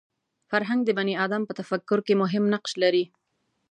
فرهنګ د بني ادم په تفکر کې مهم نقش لري